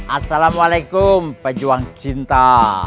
assalamualaikum pejuang cinta